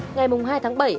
ngày hai tháng bảy